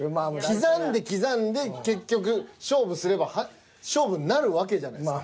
刻んで刻んで結局勝負すれば勝負になるわけじゃないですか。